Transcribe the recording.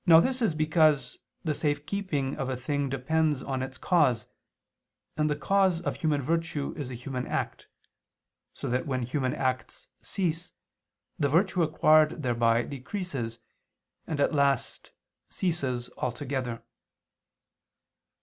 Now this is because the safe keeping of a thing depends on its cause, and the cause of human virtue is a human act, so that when human acts cease, the virtue acquired thereby decreases and at last ceases altogether.